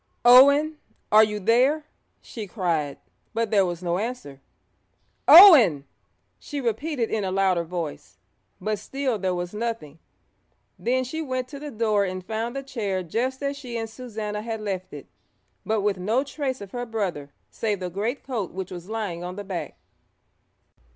'Owen, are you there?' she cried, but there was no answer. 'Owen!' she repeated in a louder voice, but still there was nothing. Then she went to the door and found the chair just as she and Susannah had left it, but with no trace of her brother save the greatcoat which was lying on the back.